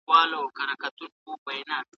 زوم دې د واده په شپه او ورځ ځان نه ستړی کوي.